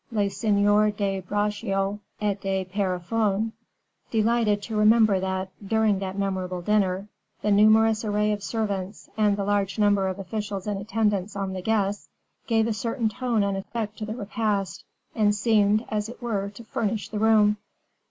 Le Seigneur de Bracieux et de Pierrefonds delighted to remember that, during that memorable dinner, the numerous array of servants, and the large number of officials in attendance on the guests, gave a certain tone and effect to the repast, and seemed, as it were, to furnish the room.